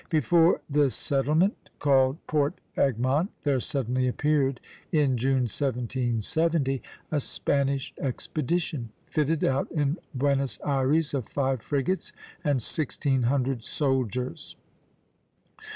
Before this settlement, called Port Egmont, there suddenly appeared, in June, 1770, a Spanish expedition, fitted out in Buenos Ayres, of five frigates and sixteen hundred soldiers.